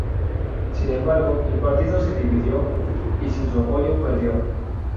Sin embargo, el partido se dividió, y sin su apoyo, perdió.